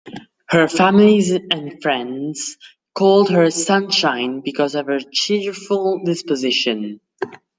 Her family and friends called her "Sunshine" because of her cheerful disposition.